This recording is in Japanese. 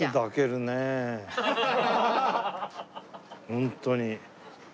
ホントに。